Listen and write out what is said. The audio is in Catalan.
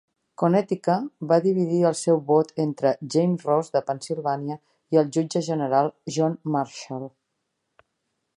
Connecticut va dividir el seu vot entre James Ross de Pennsilvània i el jutge general John Marshall.